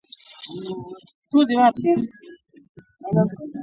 دا پرېکړه د ټولنې په خیر نه ده.